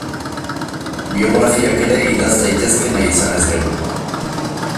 Biografiak ere idatz daitezke nahi izanez gero.